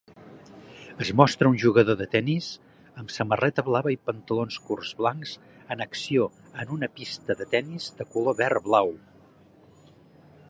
Es mostra un jugador de tennis amb samarreta blava i pantalons curts blancs en acció en una pista de tennis de color verd blau.